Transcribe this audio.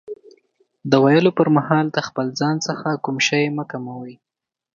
دریم: د ویلو پر مهال د خپل ځان څخه کوم شی مه کموئ.